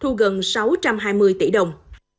thu gần sáu trăm hai mươi tỷ đồng